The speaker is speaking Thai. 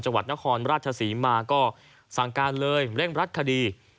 จังหวัดนครราชศรีมาก็สั่งการเลยเร่งรัดคดี